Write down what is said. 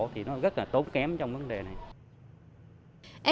thì nó rất là tốn kém trong vấn đề này